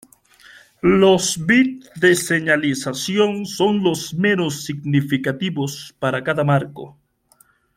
Los bits de señalización son los menos significativos para cada marco.